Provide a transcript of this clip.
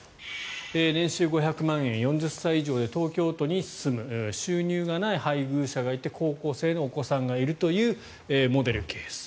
年収５００万円４０歳以上で東京都に住む収入がない配偶者がいて高校生のお子さんがいるというモデルケース。